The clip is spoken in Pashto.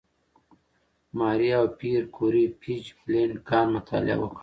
ماري او پېیر کوري د «پیچبلېند» کان مطالعه وکړه.